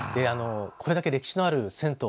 これだけ歴史のある銭湯